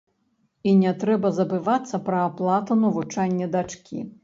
І не трэба забывацца пра аплату навучання дачкі.